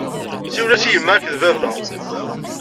Siwlen-as i yemma akked baba.